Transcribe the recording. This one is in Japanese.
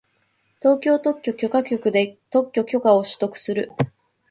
東京特許許可局で特許許可を取得する